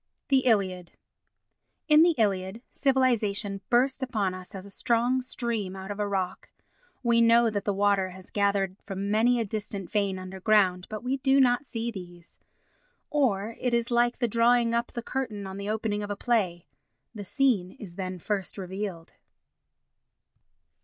The Iliad In the Iliad, civilisation bursts upon us as a strong stream out of a rock. We know that the water has gathered from many a distant vein underground, but we do not see these. Or it is like the drawing up the curtain on the opening of a play—the scene is then first revealed.